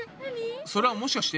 それはもしかして。